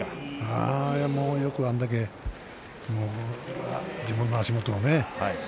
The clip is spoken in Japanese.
よくあれだけ自分の足元を。